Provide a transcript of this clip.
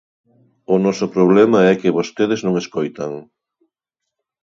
O noso problema é que vostedes non escoitan.